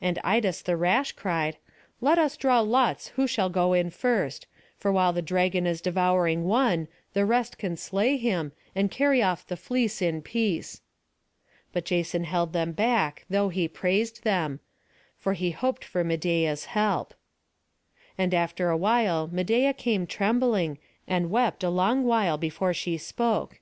And Idas the rash cried, "Let us draw lots who shall go in first; for while the dragon is devouring one, the rest can slay him, and carry off the fleece in peace." But Jason held them back, though he praised them; for he hoped for Medeia's help. And after awhile Medeia came trembling, and wept a long while before she spoke.